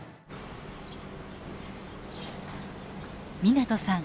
湊さん